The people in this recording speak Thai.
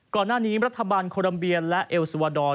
ก่อนหน้านี้รัฐบาลโครัมเบียและเอลสวาดอร์